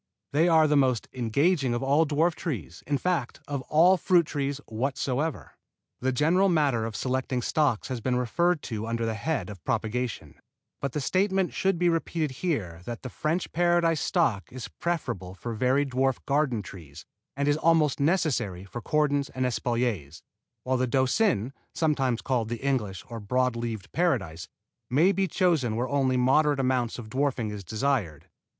They are the most engaging of all dwarf trees, in fact of all fruit trees whatsoever. The general matter of selecting stocks has been referred to under the head of propagation, but the statement should be repeated here that the French Paradise stock is preferable for very dwarf garden trees, and is almost necessary for cordons and espaliers, while the Doucin (sometimes called the English or broad leaved Paradise) may be chosen where only a moderate amount of dwarfing is desired.